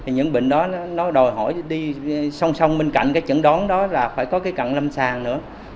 những bệnh đó đòi hỏi đi song song bên cạnh chẩn đoán đó là phải có cận lâm sàng nữa